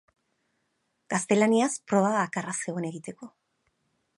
Gaztelaniaz proba bakarra zegoen egiteko.